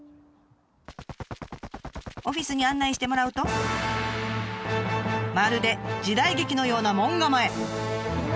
オフィスに案内してもらうとまるで時代劇のような門構え。